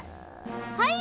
はい？